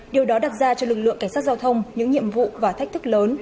điều đó đặt ra cho lực lượng cảnh sát giao thông những nhiệm vụ và thách thức lớn